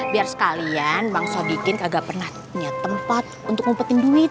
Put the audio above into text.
biar sekalian bang sodikin kagak pernah punya tempat untuk ngumpetin duit